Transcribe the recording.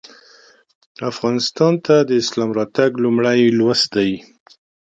افغانستان ته د اسلام راتګ لومړی لوست دی.